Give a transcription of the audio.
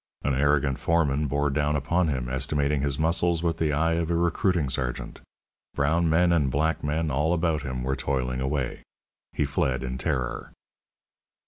An arrogant foreman bore down upon him, estimating his muscles with the eye of a recruiting sergeant. Brown men and black men all about him were toiling away. He fled in terror.